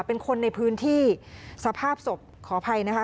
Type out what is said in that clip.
เป็นคนในพื้นที่สภาพศพขออภัยนะคะ